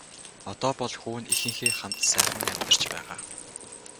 Одоо бол хүү нь эхийнхээ хамт сайхан амьдарч байгаа.